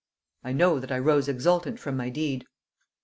I know that I rose exultant from my deed....